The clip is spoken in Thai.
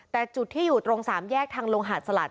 แต่จุดที่อยู่ตรง๓แยกทางลงหาดสลัด